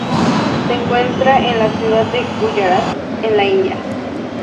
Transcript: Se encuentra en la ciudad de Guyarat, en la India.